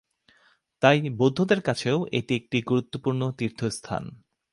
তাই বৌদ্ধদের কাছেও এটি একটি গুরুত্বপূর্ণ তীর্থস্থান।